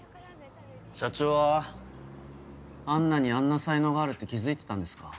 社長はアンナにあんな才能があるって気付いてたんですか？